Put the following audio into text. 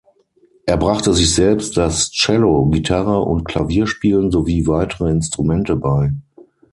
Er brachte sich selbst das Cello-, Gitarre- und Klavierspielen sowie weitere Instrumente bei.